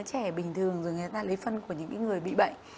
trẻ bình thường rồi người ta lấy phân của những người bị bệnh